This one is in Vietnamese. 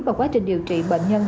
và quá trình điều trị bệnh nhân